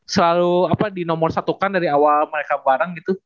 selalu apa di nomor satukan dari awal mereka bareng gitu